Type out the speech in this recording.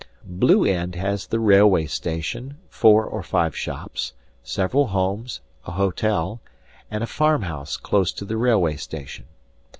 Blue End has the railway station, four or five shops, several homes, a hotel, and a farm house, close to the railway station.